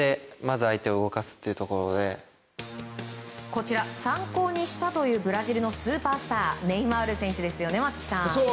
こちら参考にしたというブラジルのスーパースターネイマール選手ですよね松木さん。